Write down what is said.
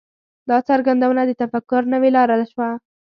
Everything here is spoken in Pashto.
دا څرګندونه د تفکر نوې لاره شوه.